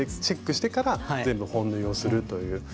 チェックしてから全部本縫いをするという。